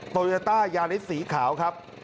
โตโยต้ายาริสสีขาวครับ